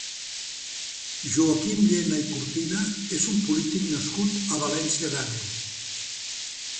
Joaquim Llena i Cortina és un polític nascut a València d'Àneu.